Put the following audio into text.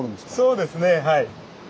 そうですねはい。